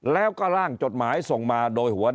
แล้วก็ร่างจดหมายส่งมาโดยหัว